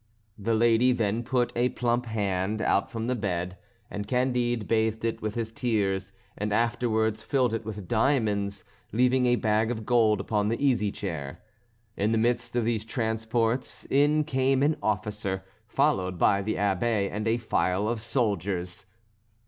The lady then put a plump hand out from the bed, and Candide bathed it with his tears and afterwards filled it with diamonds, leaving a bag of gold upon the easy chair. In the midst of these transports in came an officer, followed by the Abbé and a file of soldiers.